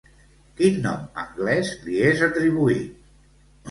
Quin nom anglès li és atribuït?